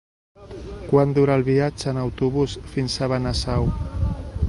Quant dura el viatge en autobús fins a Benasau?